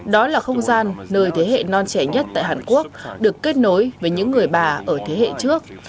đó là không gian nơi thế hệ non trẻ nhất tại hàn quốc được kết nối với những người bà ở thế hệ trước